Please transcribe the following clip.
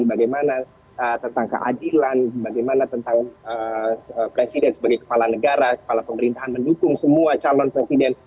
bagaimana tentang keadilan bagaimana tentang presiden sebagai kepala negara kepala pemerintahan mendukung semua calon presiden